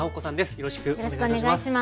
よろしくお願いします。